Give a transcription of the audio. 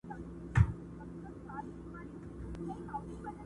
• و عسکرو تې ول ځئ زموږ له کوره.